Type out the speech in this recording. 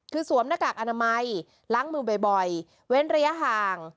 คือสวมหน้ากากอนามัยล้างมือบ่อยเว้นระยะห่าง